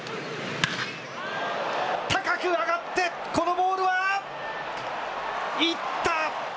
高く上がって、このボールは、いった！